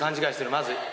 まずい。